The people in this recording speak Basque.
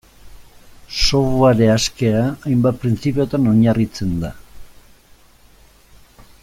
Software askea, hainbat printzipiotan oinarritzen da.